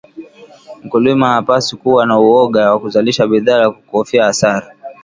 mkulima hapaswi kuwa na Uoga wa kuzalisha bidhaa kwa kukuhofia hasara